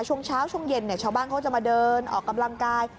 ช่วงเช้าช่วงเย็นชาวบ้านเขาจะมาเดินออกกำลังกาย